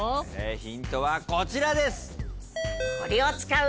ヒントはこちらです！